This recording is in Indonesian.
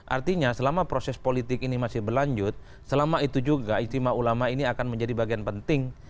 artinya selama proses politik ini masih berlanjut selama itu juga istimewa ulama ini akan menjadi bagian penting